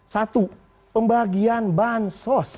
satu pembagian bansos